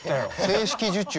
正式受注。